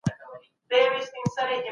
دولتي چارواکو خپله شتمني ثبتوله.